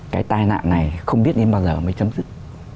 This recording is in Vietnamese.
cái tai nạn này không biết đến bao giờ mới chấm dứt